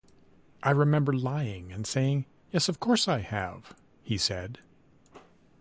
"I remember lying and saying, 'Yes of course I have'," he said.